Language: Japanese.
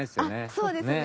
そうですね。